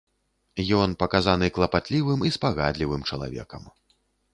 Ён паказаны клапатлівым і спагадлівым чалавекам.